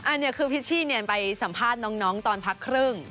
อันนี้คือพิชชี่ไปสัมภาษณ์น้องตอนพักครึ่ง